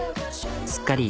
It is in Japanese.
すっかり。